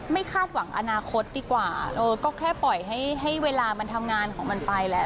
คาดหวังอนาคตดีกว่าเออก็แค่ปล่อยให้เวลามันทำงานของมันไปแล้ว